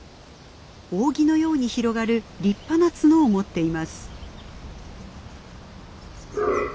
扇のように広がる立派な角を持っています。